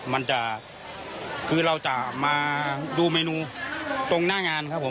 มันจะคือเราจะมาดูเมนูตรงหน้างานครับผม